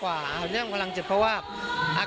การเดินทางปลอดภัยทุกครั้งในฝั่งสิทธิ์ที่หนูนะคะ